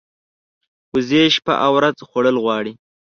وزې شپه او ورځ خوړل غواړي